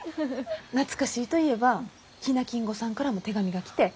懐かしいといえば喜納金吾さんからも手紙が来て。